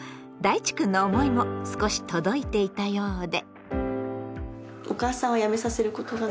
いちくんの思いも少し届いていたようで。